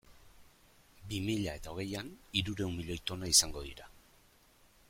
Bi mila eta hogeian hirurehun milioi tona izango dira.